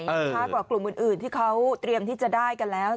ช้ากว่ากลุ่มอื่นที่เขาเตรียมที่จะได้กันแล้ว